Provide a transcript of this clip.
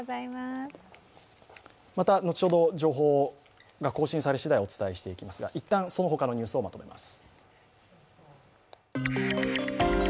また後ほど情報が更新されしだいお伝えしていきますがいったんそのほかのニュースをまとめます。